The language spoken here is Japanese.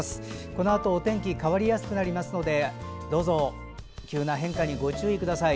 このあとお天気変わりやすくなりますのでどうぞ急な変化にご注意ください。